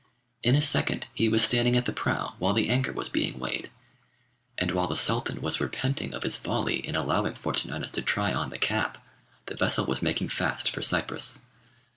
In a second he was standing at the prow, while the anchor was being weighed, and while the Sultan was repenting of his folly in allowing Fortunatus to try on the cap, the vessel was making fast for Cyprus.